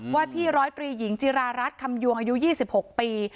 ว่าที่ร้อยตรีหญิงจิรารัฐคำยวงอายุ๒๖ปี